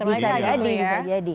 bisa jadi bisa jadi